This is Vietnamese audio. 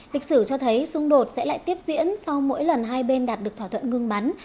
lịch sử cho thấy xung đột sẽ lại tiếp diễn sau mỗi lần hai bên đạt được thỏa thuận ngừng bắn